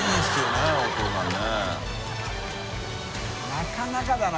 なかなかだな